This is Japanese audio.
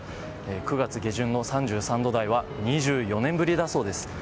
９月下旬の３３度台は２４年ぶりだそうです。